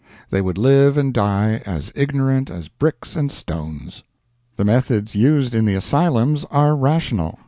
They would live and die as ignorant as bricks and stones. The methods used in the asylums are rational.